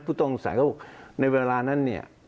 ผู้ต้องสายเขาในเวลานั้น